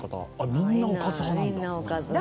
みんなおかず派なんだ。